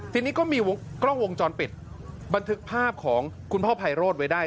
ทีนี้ก็มีกล้องวงจรปิดบันทึกภาพของคุณพ่อไพโรธไว้ได้